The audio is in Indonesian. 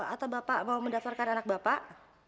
atau bapak mau mendaftarkan anak bapak